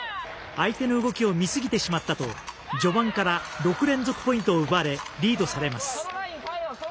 相手の動きを見すぎてしまったと序盤から６連続ポイントを奪われリードされます。